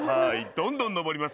どんどん登ります。